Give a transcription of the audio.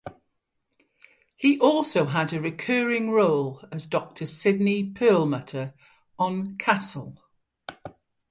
He also had a recurring role as Doctor Sidney Perlmutter on "Castle".